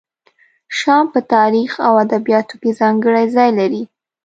شام په تاریخ او ادبیاتو کې ځانګړی ځای لري.